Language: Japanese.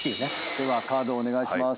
ではカードお願いします。